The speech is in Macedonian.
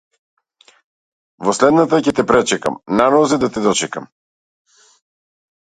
Во следната ќе те пречекам, на нозе да те дочекам.